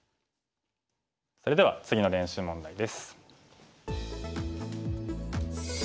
それでは次の練習問題です。